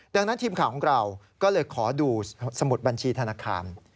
ดังนั้นทีมข่าวของเราก็เลยขอดูสมุดบัญชีธนาคาร